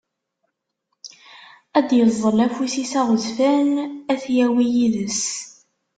Ad d-yeẓẓel afus-is aɣezzfan ad t-yawi yid-s.